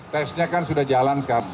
tesnya kan sudah jalan sekarang